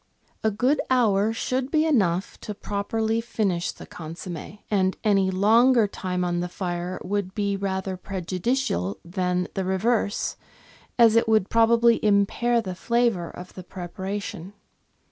A good hour should be enough to properly finish the consomm^, and any longer time on the fire would be rather prejudicial than the reverse, as it would probably impair the flavour of the prepara tion.